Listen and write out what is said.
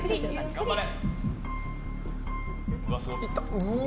頑張れ！